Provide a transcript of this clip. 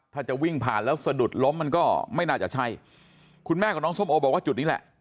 ถ้าจะวิ่งผ่านแล้วสะดุดล้มมันก็ไม่น่าจะใช่คุณแม่ของน้องส้มโอบอกว่าจุดนี้แหละ